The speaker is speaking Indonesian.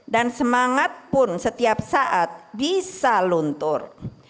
dan semangat pun setiap saat bisa luntur